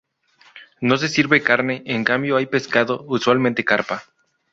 No se sirve carne, en cambio hay pescado, usualmente carpa.